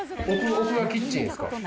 奥がキッチンですか？